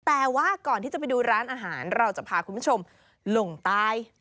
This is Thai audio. แต่ว่าก่อนที่จะไปดูร้านอาหารเราจะพาคุณผู้ชมลงใต้